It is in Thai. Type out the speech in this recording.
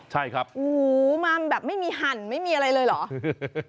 ใช่ครับโอ้โหมาแบบไม่มีหั่นไม่มีอะไรเลยเหรอ